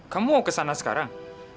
kamu mau kesana sekarang